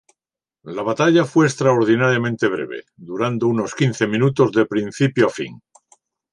La batalla fue extraordinariamente breve, durando unos quince minutos de principio a fin.